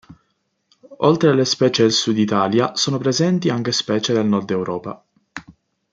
Oltre alle specie del sud Italia, sono presenti anche specie del Nord-Europa.